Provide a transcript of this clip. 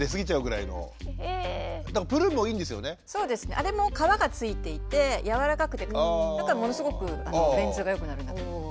あれも皮がついていて柔らかくてだからものすごく便通が良くなるんだと思います。